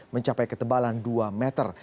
mencapai ketebalan dua meter